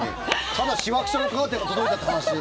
ただ、しわくちゃのカーテンが届いたって話。